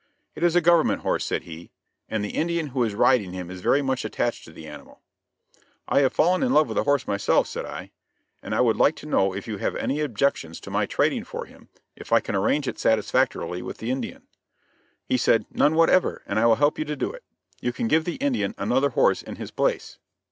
"It is a government horse," said he, "and the Indian who is riding him is very much attached to the animal." "I have fallen in love with the horse myself," said I, "and I would like to know if you have any objections to my trading for him if I can arrange it satisfactorily with the Indian?" He said: "None whatever, and I will help you to do it; you can give the Indian another horse in his place."